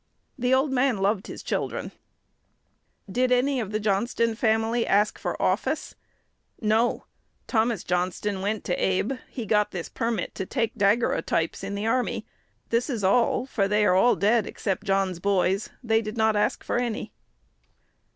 The old man loved his children." "Did any of the Johnston family ask for office?" "No! Thomas Johnston went to Abe: he got this permit to take daguerrotypes in the army; this is all, for they are all dead except John's boys. They did not ask for any."